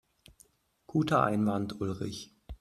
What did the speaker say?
Guter Einwand, Ulrich.